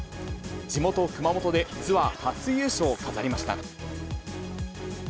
地元、熊本でツアー初優勝を飾りました。